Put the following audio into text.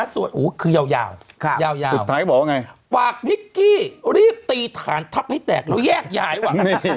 ส่วนอู๋คือยาวยาวสุดท้ายบอกว่าไงฝากนิกกี้รีบตีฐานทับให้แตกแล้วแยกย้ายว่ะ